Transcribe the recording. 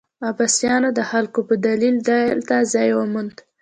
عباسیانو د خلکو په دلیل دلته ځای وموند.